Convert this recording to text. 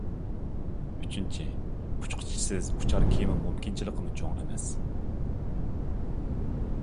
ئۈچىنچى، ئۇچقۇچىسىز ئۇچار كېمە مۇمكىنچىلىكىمۇ چوڭ ئەمەس.